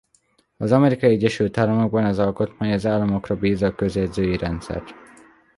Az Amerikai Egyesült Államokban az alkotmány az államokra bízza a közjegyzői rendszert.